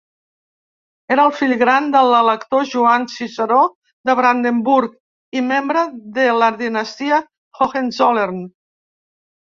Era el fill gran de l'elector Joan Ciceró de Brandenburg, i membre la Dinastia Hohenzollern.